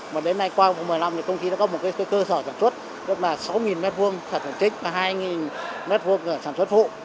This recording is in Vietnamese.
mà đến nay qua một mươi năm thì công ty nó có một cái cơ sở sản xuất rất là sáu m hai sản xuất chính và hai m hai sản xuất phụ